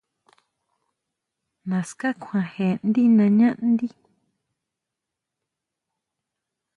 ¿Naská kjuan jé ndí nañáʼndí?